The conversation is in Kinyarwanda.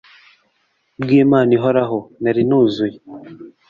bw'imana ihoraho, nari nuzuye